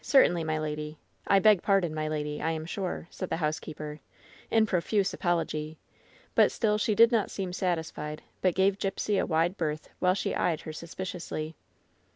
Certainly, my lady. I beg pardon, my lady, I am sure," said the housekeeper, in profuse apology; but still she did not seem satisfied, but gave Gipsy a wide berth while she eyed her suspiciously.